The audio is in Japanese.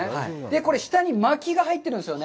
これ下にまきが入ってるんですよね。